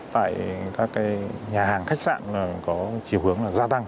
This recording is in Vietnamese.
tại các nhà hàng khách sạn có chiều hướng là gia tăng